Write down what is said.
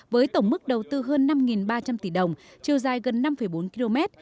với tổng mức đầu tư hơn năm ba trăm linh tỷ đồng chiều dài gần năm bốn km